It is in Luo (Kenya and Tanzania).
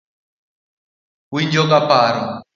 Winjo ga paro.